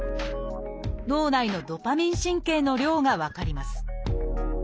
脳内のドパミン神経の量が分かります。